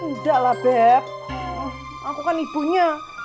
enggak lah beb aku kan ibunya